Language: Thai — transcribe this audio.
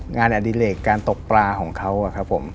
อดิเลกการตกปลาของเขาครับผม